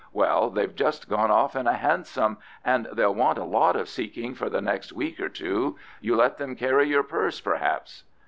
Well, they've just gone off in a hansom, and they'll want a lot of seeking for the next week or two. You let them carry your purse, perhaps?"